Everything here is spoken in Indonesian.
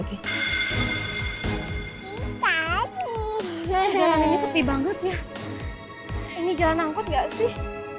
ini keti banget ya ini jalan angkot gak sih